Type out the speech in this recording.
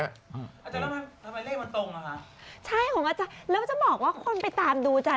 ใช่ของอาจารย์แล้วจะบอกว่าคนไปตามดูจ้ะ